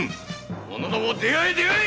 者ども出会え出会え！